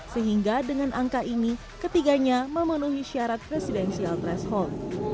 sehingga dengan angka ini ketiganya memenuhi syarat presidensial threshold